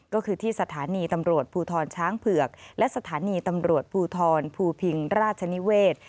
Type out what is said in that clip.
ก็คือที่สถานีตำรวจภูทรช้างเผือกและสถานีตำรวจภูทรภูพิงราชนิเวศ